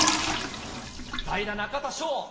代打、中田翔。